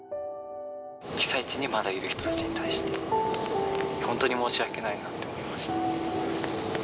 被災地にまだいる人たちに対して、本当に申し訳ないなって思いました。